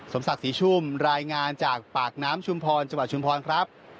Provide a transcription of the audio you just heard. ศักดิ์ศรีชุ่มรายงานจากปากน้ำชุมพรจังหวัดชุมพรครับ